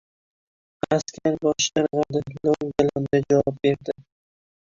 Askar bosh irg‘adi. Lo‘nda-lo‘nda javob berdi: